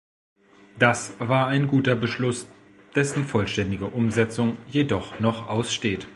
Das war ein guter Beschluss, dessen vollständige Umsetzung jedoch noch aussteht.